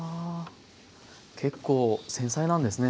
結構繊細なんですね